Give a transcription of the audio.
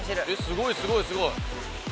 すごいすごいすごい！